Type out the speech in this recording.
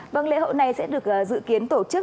vâng lễ hội này sẽ được dự kiến tổ chức